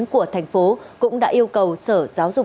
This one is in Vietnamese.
của thành phố cũng đã yêu cầu sở giáo dục